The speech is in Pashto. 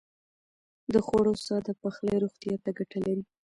د خوړو ساده پخلی روغتيا ته ګټه لري.